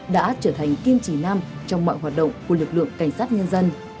đã trở thành kiên trì nam trong mọi hoạt động của lực lượng cảnh sát nhân dân